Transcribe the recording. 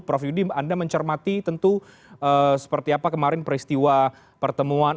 prof yudi anda mencermati tentu seperti apa kemarin peristiwa pertemuan